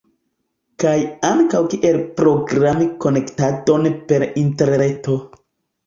Kaj ankaŭ kiel programi konektadon per interreto